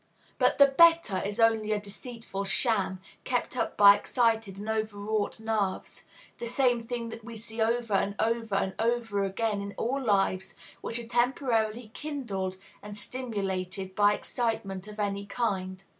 But the "better" is only a deceitful sham, kept up by excited and overwrought nerves, the same thing that we see over and over and over again in all lives which are temporarily kindled and stimulated by excitement of any kind.